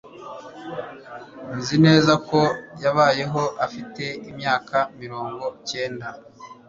Nzi neza ko yabayeho afite imyaka mirongo cyenda.